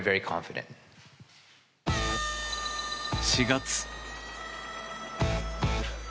４月。